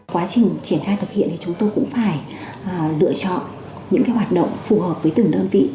quá trình triển khai thực hiện thì chúng tôi cũng phải lựa chọn những hoạt động phù hợp với từng đơn vị